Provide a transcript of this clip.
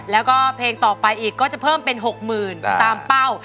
แล้วก็เพลงต่อไปอีกก็จะเพิ่มเป็น๖๐๐๐ตามเป้า